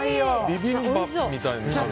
ビビンパみたいな。